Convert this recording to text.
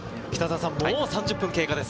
もう３０分経過です。